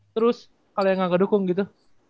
terus kalau yang gak ngedukung gitu